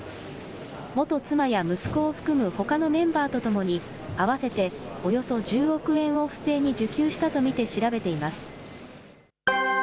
元妻や息子を含むほかのメンバーとともに合わせておよそ１０億円を不正に受給したと見て調べています。